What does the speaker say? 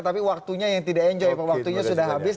tapi waktunya yang tidak enjoy waktunya sudah habis